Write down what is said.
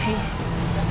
lagi lagi mau suka begitu